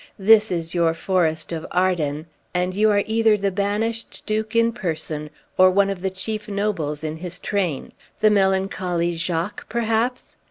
This is your forest of Arden; and you are either the banished Duke in person, or one of the chief nobles in his train. The melancholy Jacques, perhaps?